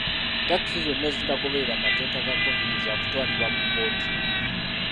Takisi zonna ezitagoberera mateeka ga COVID zakutwalibwa mu kkooti.